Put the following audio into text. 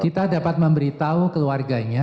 kita dapat memberitahu keluarganya